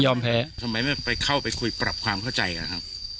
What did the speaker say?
แพ้ทำไมไม่ไปเข้าไปคุยปรับความเข้าใจนะครับ